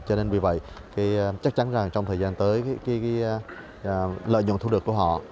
cho nên vì vậy thì chắc chắn rằng trong thời gian tới cái lợi nhuận thu được của họ